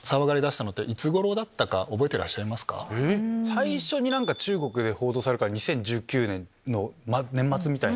最初に中国で報道されたのが２０１９年の年末みたいな。